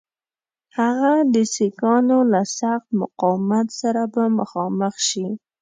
هغه د سیکهانو له سخت مقاومت سره به مخامخ سي.